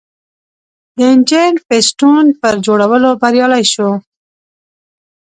د انجن پېسټون پر جوړولو بریالی شو.